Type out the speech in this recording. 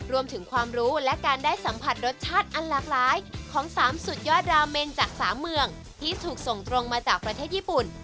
รวมถึงความรู้และการได้สัมผัสรสชาติอันหลากหลายของ๓สุดยอดราเมนจาก๓เมืองที่ถูกส่งตรงมาจากประเทศญี่ปุ่น